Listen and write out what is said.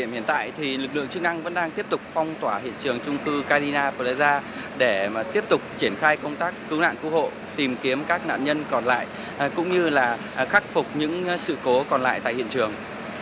hiện tại lực lượng chức năng vẫn đang tiếp tục phong tỏa hiện trường trung cư carina plaza để tiếp tục triển khai công tác cứu nạn cứu hộ tìm kiếm các nạn nhân còn lại cũng như là khắc phục những sự cố còn lại tại hiện trường